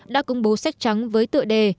đã công bố sách trắng với tựa đề